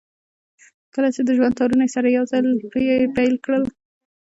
کله چې د ژوند تارونه يې سره يو ځای پييل کېږي.